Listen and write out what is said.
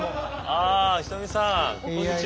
ああ人見さんこんにちは。